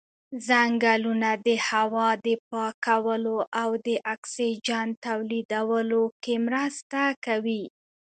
ځنګلونه د هوا د پاکولو او د اکسیجن تولیدولو کې مرسته کوي.